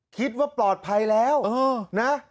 คิดว่าปลอดภัยแล้วนะ